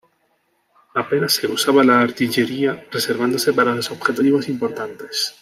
Apenas se usaba la artillería, reservándose para los objetivos importantes.